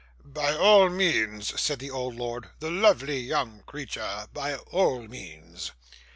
'By all means,' said the old lord; 'the lovely young creature, by all means.